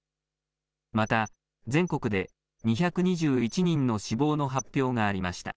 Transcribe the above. また、全国で２２１人の死亡の発表がありました。